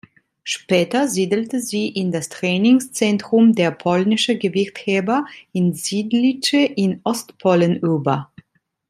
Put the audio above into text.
Später siedelte sie in das Trainingszentrum der polnischen Gewichtheber in Siedlce in Ostpolen über.